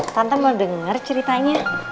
tante mau dengar ceritanya